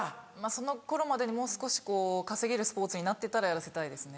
その頃までにもう少し稼げるスポーツになってたらやらせたいですね。